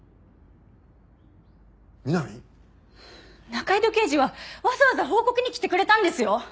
仲井戸刑事はわざわざ報告に来てくれたんですよ。